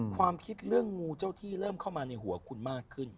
ความคิดเรื่องงูเจ้าที่เริ่มเข้ามาในหัวคุณมากขึ้น